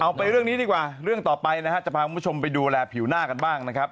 เอาไปเรื่องนี้ดีกว่าเรื่องต่อไปนะจะพาชมไปดูแลผิวหน้ากันบ้าง